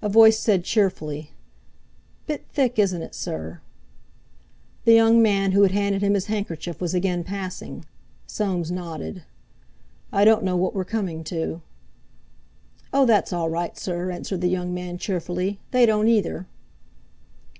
A voice said cheerfully: "Bit thick, isn't it, sir?" The young man who had handed him his handkerchief was again passing. Soames nodded. "I don't know what we're coming to." "Oh! That's all right, sir," answered the young man cheerfully; "they don't either."